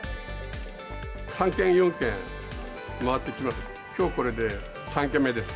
３軒４軒回ってきます。